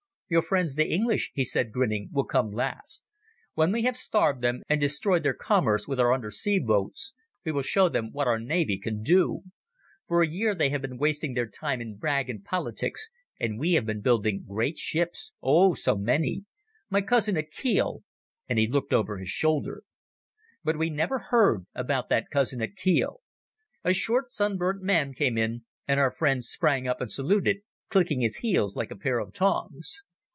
"Your friends the English," he said grinning, "will come last. When we have starved them and destroyed their commerce with our under sea boats we will show them what our navy can do. For a year they have been wasting their time in brag and politics, and we have been building great ships—oh, so many! My cousin at Kiel—" and he looked over his shoulder. But we never heard about that cousin at Kiel. A short sunburnt man came in and our friend sprang up and saluted, clicking his heels like a pair of tongs.